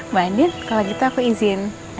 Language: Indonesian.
mbak andin kalau gitu aku izin ajak rena masak dulu ya